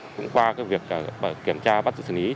cũng qua việc kiểm tra bắt giữ xử lý